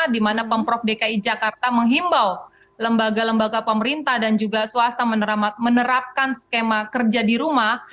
di mana pemprov dki jakarta menghimbau lembaga lembaga pemerintah dan juga swasta menerapkan skema kerja di rumah